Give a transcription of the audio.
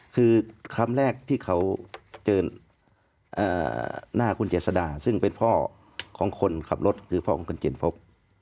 คือคำแรกที่เขาเจอหน้าคุณเจษดาซึ่งเป็นพ่อของคนขับรถคือพ่อของคุณเจนพบ